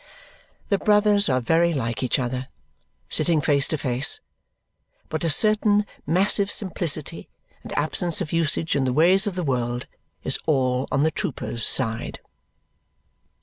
The brothers are very like each other, sitting face to face; but a certain massive simplicity and absence of usage in the ways of the world is all on the trooper's side.